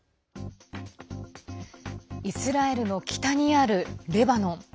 イスラエルの北にあるレバノン。